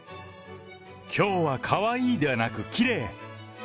きょうはかわいいではなくきれい。